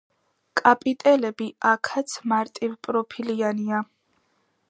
კაპიტელები აქაც მარტივპროფილიანია.